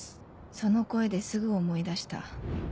その声ですぐ思い出した